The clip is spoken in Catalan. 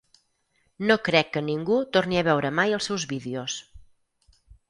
No crec que ningú torni a veure mai els seus vídeos.